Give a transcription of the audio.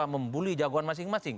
membuli jagoan masing masing